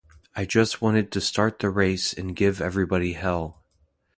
I just wanted to start the race and give everybody hell!